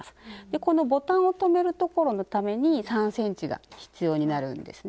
このボタンを留めるところのために３ｃｍが必要になるんですね。